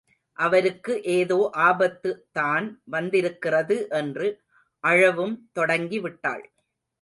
அவருக்கு ஏதோ ஆபத்துதான் வந்திருக்கிறது என்று அழவும் தொடங்கி விட்டாள்.